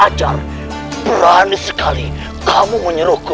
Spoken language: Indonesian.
ajar berani sekali kamu menyuruhku